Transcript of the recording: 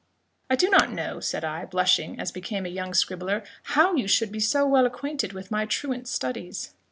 "I do not know," said I, blushing as became a young scribbler, "how you should be so well acquainted with my truant studies."